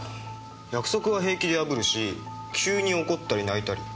約束は平気で破るし急に怒ったり泣いたり。